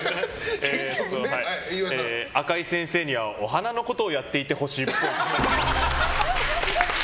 赤井先生にはお花のことをやってほしいっぽい。